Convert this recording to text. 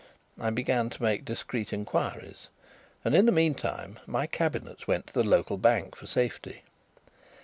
I began to make discreet inquiries and in the meantime my cabinets went to the local bank for safety.